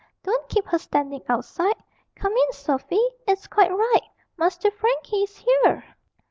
Don't keep her standing outside. Come in, Sophy; it's quite right; Master Frankie is here!'